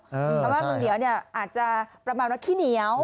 เพราะว่าเมืองเหนียวอาจจะประมาณรสขี้เหนียว